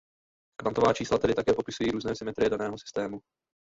Kvantová čísla tedy také popisují různé symetrie daného systému.